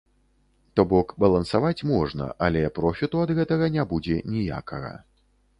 То бок, балансаваць можна, але профіту ад гэтага не будзе ніякага.